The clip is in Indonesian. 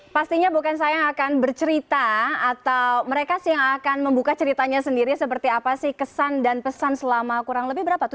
pastinya bukan saya yang akan bercerita atau mereka sih yang akan membuka ceritanya sendiri seperti apa sih kesan dan pesan selama kurang lebih berapa tuh